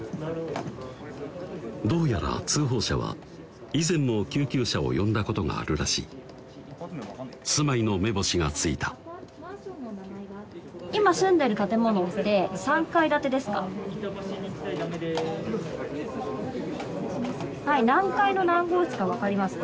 どうやら通報者は以前も救急車を呼んだことがあるらしい住まいの目星がついたはい何階の何号室か分かります？